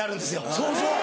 そうそう。